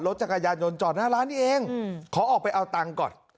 จักรยานยนจอดหน้าร้านนี้เองขอออกไปเอาตังค์ก่อน